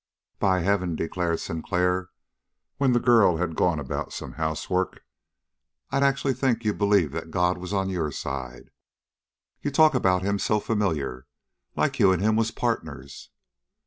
"By heaven," declared Sinclair, when the girl had gone about some housework, "I'd actually think you believed that God was on your side. You talk about Him so familiar like you and Him was partners."